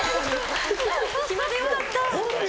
暇で良かった。